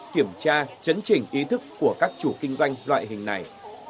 kiểm tra chấn trình ý thức của các chủ kinh doanh loại hình này